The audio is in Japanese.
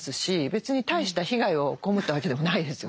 別に大した被害をこうむったわけでもないですよね。